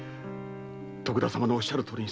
徳田様のおっしゃるとおりにする。